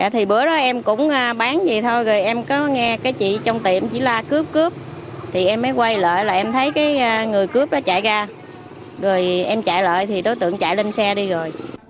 thì bữa đó em cũng bán gì thôi rồi em có nghe cái chị trong tiệm chỉ la cướp cướp thì em mới quay lại là em thấy cái người cướp đó chạy ra rồi em chạy lại thì đối tượng chạy lên xe đi rồi